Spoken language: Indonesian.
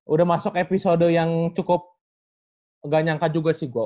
udah masuk episode yang cukup gak nyangka juga sih gue